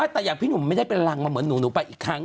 แต่อย่างพี่หนูไม่ได้เป็นรังว่าเหมือนหนูป่ะหนูไปอีกครั้งหนึ่ง